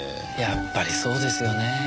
やっぱりそうですよね。